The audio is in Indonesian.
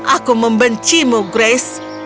aku membencimu grace